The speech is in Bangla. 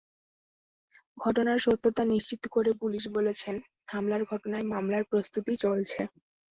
ঘটনার সত্যতা নিশ্চিত করে পুলিশ বলেছে, হামলার ঘটনায় মামলার প্রস্তুতি চলছে।